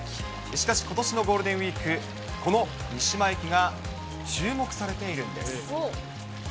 しかし、ことしのゴールデンウィーク、この三島駅が注目されているんです。